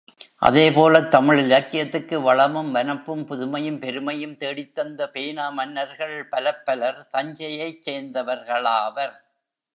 அதேபோலத் தமிழ் இலக்கியத்துக்கு வளமும், வனப்பும், புதுமையும், பெருமையும் தேடித்தந்த பேனா மன்னர்கள் பலப்பலர் தஞ்சையைச் சேர்ந்தவர்களாவர்.